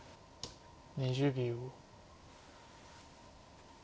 ２０秒。